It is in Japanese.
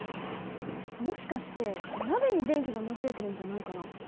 もしかしてお鍋に電気が流れてるんじゃないかな？